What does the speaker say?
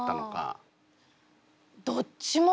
あどっちも。